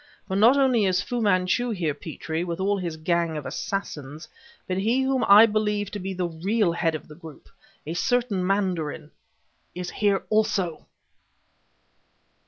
For not only is Fu Manchu here, Petrie, with all his gang of assassins, but he whom I believe to be the real head of the group a certain mandarin is here also!"